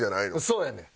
そうやねん。